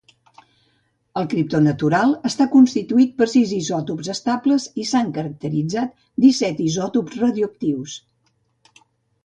El criptó natural està constituït per sis isòtops estables i s'han caracteritzat disset isòtops radioactius.